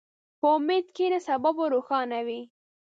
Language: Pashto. په امید کښېنه، سبا به روښانه وي.